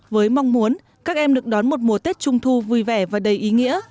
với mong muốn các em được đón một mùa tết trung thu vui vẻ và đầy ý nghĩa